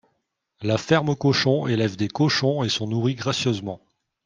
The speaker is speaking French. La ferme aux cochons élèvent des cochons et sont nourris gracieusement